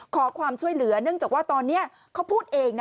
ขอความช่วยเหลือเนื่องจากว่าตอนนี้เขาพูดเองนะ